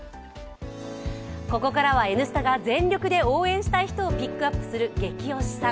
ここからは「Ｎスタ」が全力で応援したい人をピックアップするゲキ推しさん。